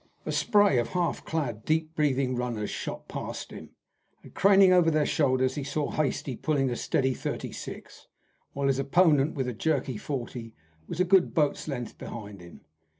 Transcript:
A spray of half clad, deep breathing runners shot past him, and craning over their shoulders, he saw Hastie pulling a steady thirty six, while his opponent, with a jerky forty, was a good boat's length behind him.